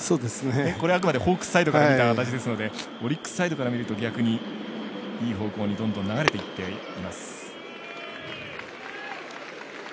これは、あくまでホークスサイドから見た話ですのでオリックスサイドから見ると逆に、いい方向にどんどん流れていっています。